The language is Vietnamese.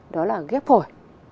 đó là ghép phổi